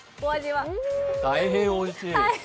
大変おいしい。